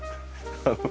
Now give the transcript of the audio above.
ハハハハ。